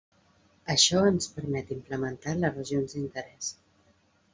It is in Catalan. Això ens permet implementar les Regions d'Interès.